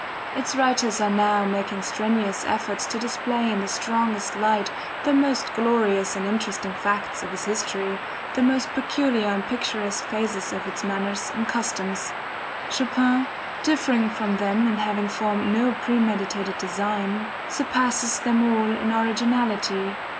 Its writers are now making strenuous efforts to display in the strongest light, the most glorious and interesting facts of its history, the most peculiar and picturesque phases of its manners and customs. Chopin, differing from them in having formed no premeditated design, surpasses them all in originality.